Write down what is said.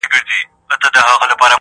له نیکونو راته پاته بې حسابه زر لرمه,